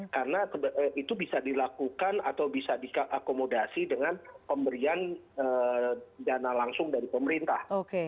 karena itu bisa dilakukan atau bisa diakomodasi dengan pemberian dana langsung dari pemerintah